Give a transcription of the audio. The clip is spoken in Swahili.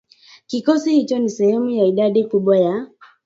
Kikosi hicho ni sehemu ya idadi kubwa ya